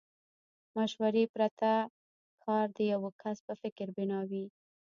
مشورې پرته کار د يوه کس په فکر بنا وي.